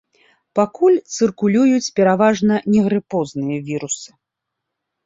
Пакуль цыркулююць пераважна негрыпозныя вірусы.